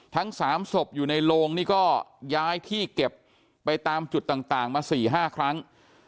ทั้ง๓ศพอยู่ในโลงนี่ก็ย้ายที่เก็บไปตามจุดต่างมา๔๕ครั้ง